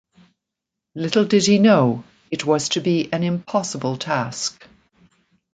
Little did he know it was to be an impossible task.